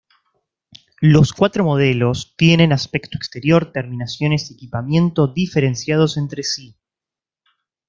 Los cuatro modelos tienen aspecto exterior, terminaciones y equipamiento diferenciados entre sí.